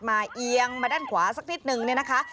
เอียงมาด้านขวาสักนิดนึงเนี่ยนะคะ